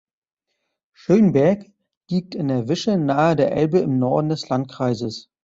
Schönberg liegt in der Wische nahe der Elbe im Norden des Landkreises.